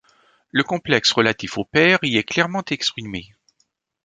Le complexe relatif au père y est clairement exprimé.